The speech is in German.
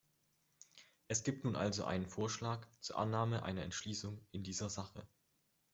Es gibt nun also einen Vorschlag zur Annahme einer Entschließung in dieser Sache.